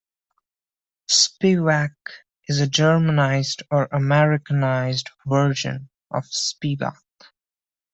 Spivack is a Germanized or Americanized version of Spivak.